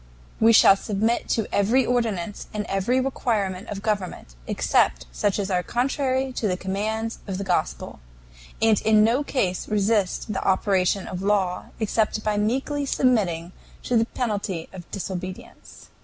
We shall submit to every ordinance and every requirement of government, except such as are contrary to the commands of the Gospel, and in no case resist the operation of law, except by meekly submitting to the penalty of disobedience.